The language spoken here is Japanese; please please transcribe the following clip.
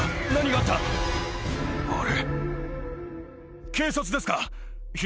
あれ？